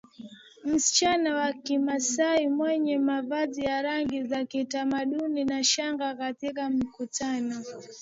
Msichana wa Kimasai mwenye mavazi ya rangi za kitamaduni na shanga katika matukio